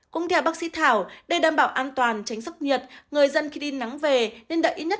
cũng theo bác sĩ thảo để đảm bảo an toàn tránh sốc nhiệt người dân khi đi nắng về nên đợi